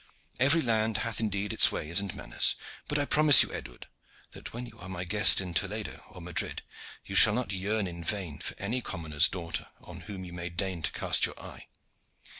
Every land hath indeed its ways and manners; but I promise you, Edward, that when you are my guest in Toledo or Madrid you shall not yearn in vain for any commoner's daughter on whom you may deign to cast your eye."